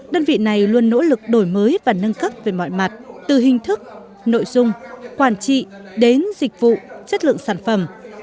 đơn vị này luôn nỗ lực đổi mới và nâng cấp về mọi mặt từ hình thức nội dung quản trị đến dịch vụ chất lượng sản phẩm